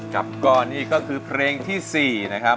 กับก้อนนี่ก็คือเพลงที่๔นะครับ